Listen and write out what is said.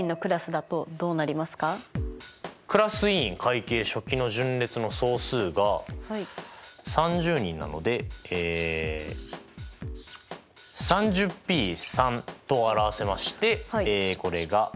クラス委員会計書記の順列の総数が３０人なのでえＰと表せましてこれが。